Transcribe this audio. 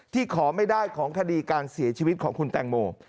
ขอไม่ได้ของคดีการเสียชีวิตของคุณแตงโม